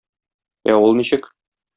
Ә ул ничек?